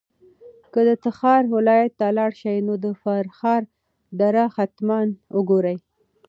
که د تخار ولایت ته لاړ شې نو د فرخار دره حتماً وګوره.